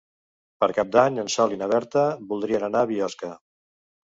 Per Cap d'Any en Sol i na Berta voldrien anar a Biosca.